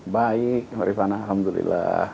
baik rifana alhamdulillah